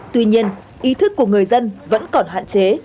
tuy nhiên ý thức của người dân vẫn còn hạn chế